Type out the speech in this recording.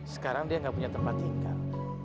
sekarang dia nggak punya tempat tinggal